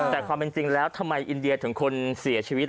แต่ความเป็นจริงแล้วทำไมอินเดียถึงคนเสียชีวิต